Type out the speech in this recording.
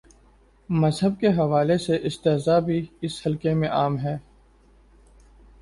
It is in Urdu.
مذہب کے حوالے سے استہزا بھی، اس حلقے میں عام ہے۔